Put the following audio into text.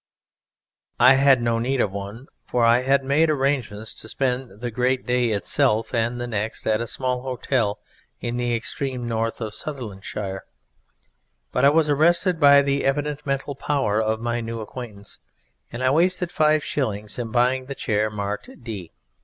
I had no need of one, for I had made arrangements to spend the Great Day itself and the next at a small hotel in the extreme north of Sutherlandshire, but I was arrested by the evident mental power of my new acquaintance, and I wasted five shillings in buying the chair marked D.